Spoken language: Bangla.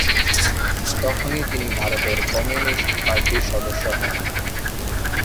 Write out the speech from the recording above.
তখনই তিনি ভারতের কমিউনিস্ট পার্টির সদস্য হন।